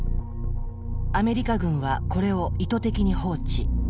アメリカ軍はこれを意図的に放置。